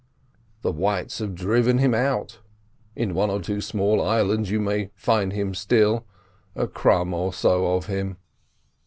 The whites have driven him out; in one or two small islands you may find him still—a crumb or so of him."